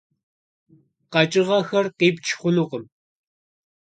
КъэкӀыгъэхэр къипч хъунукъым.